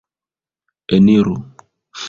Eniru!